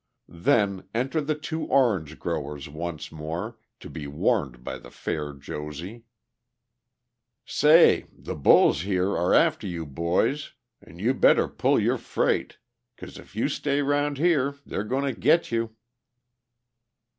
Then, enter the two "Orange Growers" once more, to be warned by the fair Josie. "Say, the bulls are after you boys, an' you better pull your freight, 'cause if you stay around here they're goin' to get you."